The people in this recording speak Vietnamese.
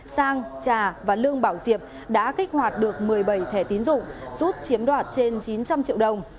sang trà và lương bảo diệp đã kích hoạt được một mươi bảy thẻ tín dụng giúp chiếm đoạt trên chín trăm linh triệu đồng